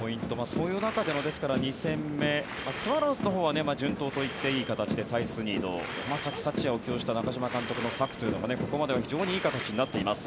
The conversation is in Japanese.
そういう中での２戦目スワローズのほうは順当と言っていい形でサイスニード山崎福也を起用した中嶋監督の策というのがここまでは非常にいい形になっています。